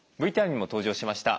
ＶＴＲにも登場しました